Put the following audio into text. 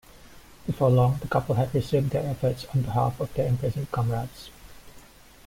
Before long, the couple had resumed their efforts on behalf of their imprisoned comrades.